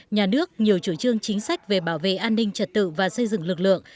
nhà nước nhiều chủ trương chính sách về bảo vệ an ninh trật tự và xây dựng lực lượng